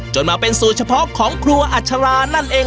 มาเป็นสูตรเฉพาะของครัวอัชรานั่นเอง